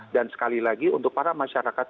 dan sekali lagi untuk para masyarakat